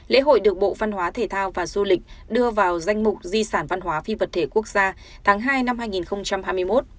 lễ hội được bộ văn hóa thể thao và du lịch đưa vào danh mục di sản văn hóa phi vật thể quốc gia tháng hai năm hai nghìn hai mươi một